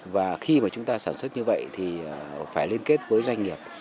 và khi mà chúng ta sản xuất như vậy thì phải liên kết với doanh nghiệp